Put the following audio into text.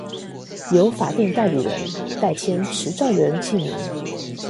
由法定代理人代簽持照人姓名